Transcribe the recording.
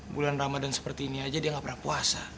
bulan ramadan seperti ini aja dia gak pernah puasa